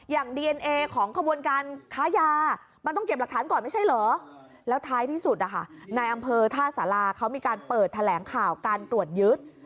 อย่างดีเอนเอของขบวนการค้ายามันต้องเก็บหลักฐานก่อนไม่ใช่เหรอแล้วท้ายที่สุดนะคะในอำเภอท่าสาราเขามีการเปิดแถลงข่าวการตรวจยึด